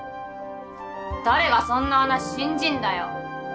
誰がそんな話信じんだよ。